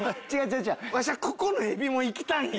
わしはここのエビもいきたいんよ。